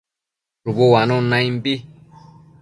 Shubu uanun naimbi